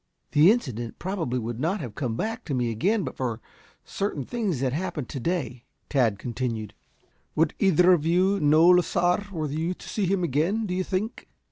"The incident probably would not have come back to me again but for certain things that happened to day," Tad continued. "Would either of you know Lasar were you to see him again, do you think?"